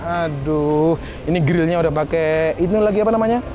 aduh ini grillnya udah pakai ini lagi apa namanya